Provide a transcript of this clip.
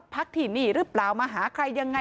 พักที่นี่หรือเปล่ามาหาใครยังไง